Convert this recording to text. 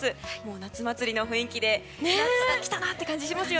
夏祭りの雰囲気で夏が来たなという感じがします。